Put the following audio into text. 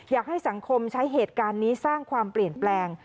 อยากให้สังคมใช้เหตุการณ์นี้สร้างความเปลี่ยนแปลง